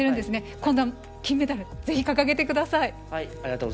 今度は金メダル、ぜひ掲げてください。